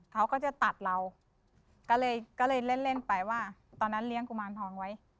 เขาก็จะตัดเราก็เลยก็เลยเล่นเล่นไปว่าตอนนั้นเลี้ยงกุมารทองไว้